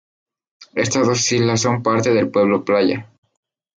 Estas dos islas son parte del pueblo Playa.